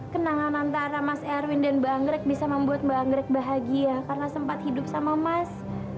kenangan antara mas erwin dan bang anggrek bisa membuat mbak anggrek bahagia karena sempat hidup sama mas